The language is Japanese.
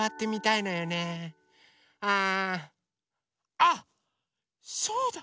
あっそうだ！